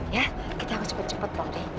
ya kita harus cepat cepat pak ferry